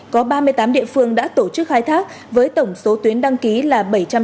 có ba mươi tám địa phương đã tổ chức khai thác với tổng số tuyến đăng ký là bảy trăm chín mươi ba